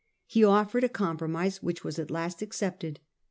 He offered a compromise which was at last accepted.